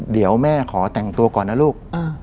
เดี๋ยวแม่ขอแต่งตัวก่อนนะลูก